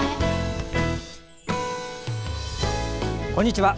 こんにちは。